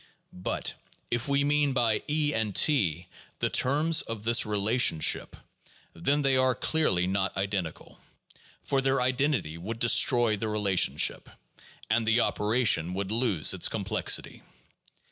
But if we mean by E and T the terms of this relationship, then they are clearly not identical ; for their identity would destroy the relationship, and the operation would lose its complexity.